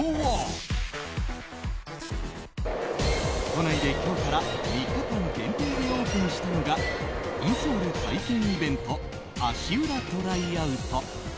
都内で今日から３日間限定でオープンしたのがインソール体験イベント足裏ＴＲＹＯＵＴ。